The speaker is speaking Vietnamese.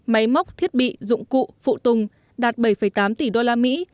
máy móc thiết bị dụng cụ phụ tùng đạt bảy tám tỷ đô la mỹ